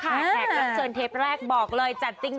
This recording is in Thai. แขกรับเชิญเทปแรกบอกเลยจัดจริง